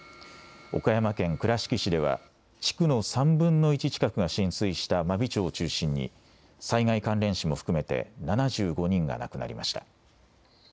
岡山県倉敷市では地区の３分の１近くが浸水した真備町を中心に災害関連死も含めて７５人が亡くなりました。